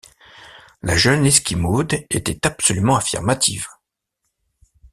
La jeune Esquimaude était absolument affirmative.